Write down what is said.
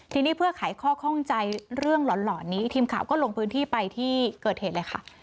ทีนี้เพื่อไขข้อข้องใจเรื่องหล่อนนี้ทีมข่าวก็ลงพื้นที่ไปที่เกิดเหตุเลยค่ะ